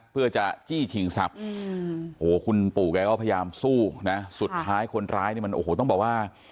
เพื่อจะจี้ชิงทรัพย์โอ้โหคุณปู่แกก็พยายามสู้นะสุดท้ายคนร้ายเนี่ยมันโอ้โหต้องบอกว่า